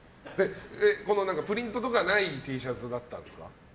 プリントとかないＴシャツだったんですか？